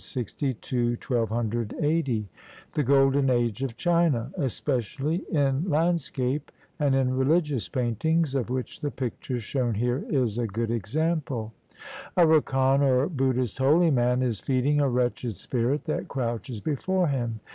960 1280), the Golden Age of China, especially in landscape and in religious paintings, of which the picture shown here is a good example. A rakan, or Buddhist holy man, is feeding a wretched spirit that crouches before him.